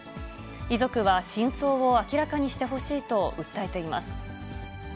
遺族は真相を明らかにしてほしいと訴えています。